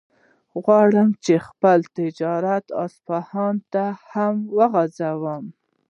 غواړم چې خپل تجارت اصفهان ته هم وغځوم.